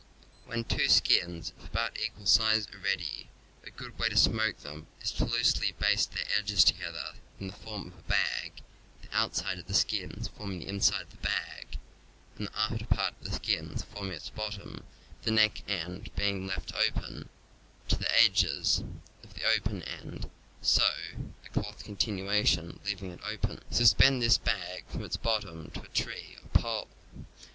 When two skins of about equal size are ready, a good way to smoke them is to loosely baste their edges together in the form of a bag, the outside of the skins forming the inside of the bag and the after part of the skins forming its bottom, the neck end be ing left open; to the edges of the open end sew a cloth continuation, leaving it open. Suspend this bag from its bottom to a tree or pole.